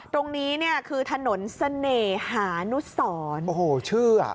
ตรงนี้เนี่ยคือถนนเสน่หานุสรโอ้โหชื่ออ่ะ